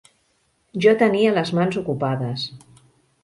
Jo tenia les mans ocupades.